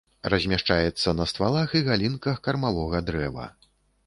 Размяшчаецца на ствалах і галінках кармавога дрэва.